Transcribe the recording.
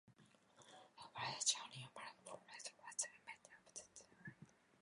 In reality, Johann Nepomuk Hofzinser was the inventor of the sleight.